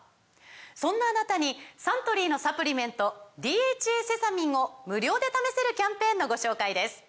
そんなあなたにサントリーのサプリメント「ＤＨＡセサミン」を無料で試せるキャンペーンのご紹介です